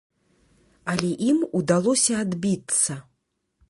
Але ім удалося адбіцца.